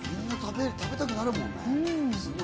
食べたくなるもんね。